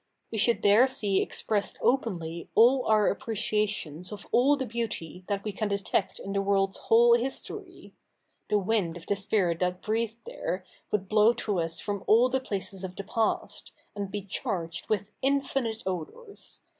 We should there see expressed openly all our appreciations of all the beauty that we can detect in the world's whole history. The wind of the spirit that breathed there would blow to us from all the places of the past, and be charged with infinite odours.